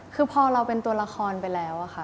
คือพอเราเป็นตัวละครไปแล้วอะค่ะ